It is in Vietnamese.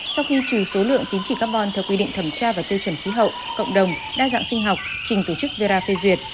sau khi trừ số lượng tín chỉ carbon theo quy định thẩm tra và tiêu chuẩn khí hậu cộng đồng đa dạng sinh học trình tổ chức vera khe duyệt